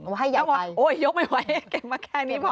ว่าให้ใหญ่ไปโอ๊ยยกไม่ไหวเก็บมาแค่นี้พอ